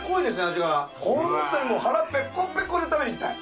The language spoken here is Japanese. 味がホントにもう腹ペコペコで食べに来たい